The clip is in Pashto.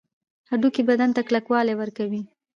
هډوکي بدن ته کلکوالی ورکوي